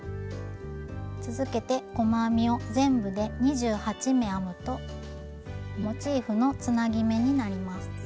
続けて細編みを全部で２８目編むとモチーフのつなぎ目になります。